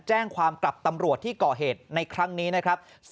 แจ้งความกลับตำรวจที่ก่อเหตุในครั้งนี้นะครับ